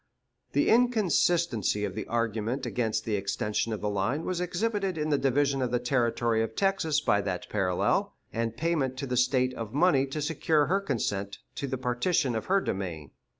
The inconsistency of the argument against the extension of the line was exhibited in the division of the Territory of Texas by that parallel, and payment to the State of money to secure her consent to the partition of her domain.